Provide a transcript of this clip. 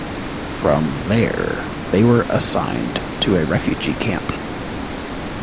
From there, they were assigned to a refugee camp.